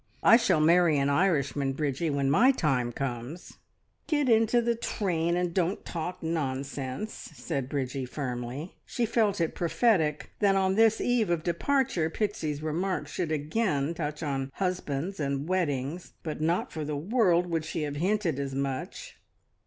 I shall marry an Irishman, Bridgie, when my time comes!" "Get into the train and don't talk nonsense!" said Bridgie firmly. She felt it prophetic that on this eve of departure Pixie's remarks should again touch on husbands and weddings, but not for the world would she have hinted as much.